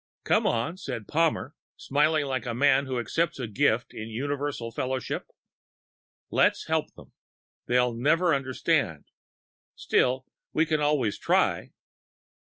"Come on," said Palmer, smiling like a man who accepts a gift in universal fellowship, "let's help 'em. They'll never understand.... Still, we can always try."